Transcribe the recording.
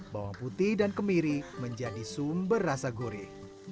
bawang putih dan kemiri menjadi sumber rasa gurih